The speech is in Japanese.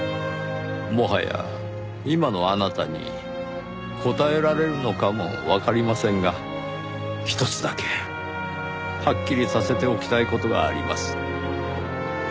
もはや今のあなたに答えられるのかもわかりませんがひとつだけはっきりさせておきたい事があります。